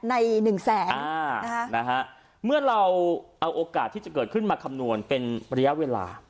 หนึ่งแสนเมื่อเราเอาโอกาสที่จะเกิดขึ้นมาคำนวณเป็นระยะเวลา